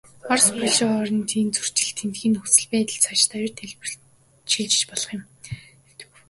Орос, Польшийн хоорондын зөрчил, тэндхийн нөхцөл байдал, цаашид аюултай хэлбэрт шилжиж болох юм.